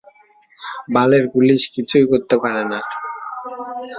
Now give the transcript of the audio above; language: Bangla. বালের পুলিশ কিছুই করতে পারেনা।